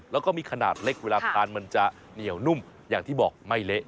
แล้วก็มีขนาดเล็กเวลาทานมันจะเหนียวนุ่มอย่างที่บอกไม่เละ